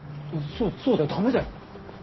そうそうだよダメだよ。